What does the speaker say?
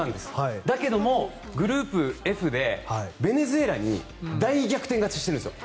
だけどもグループＦでベネズエラに大逆転勝ちしているんですよ。